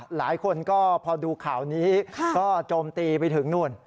หลายคนก็พอดูข่าวนี้ก็โจมตีไปถึงนู่น